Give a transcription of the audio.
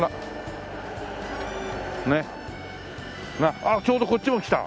ああちょうどこっちも来た。